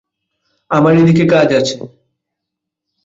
আমার এদিকে কাজ আছে।